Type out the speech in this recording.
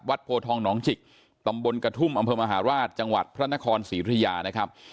โพทองหนองจิกตำบลกระทุ่มอำเภอมหาราชจังหวัดพระนครศรีธุยานะครับ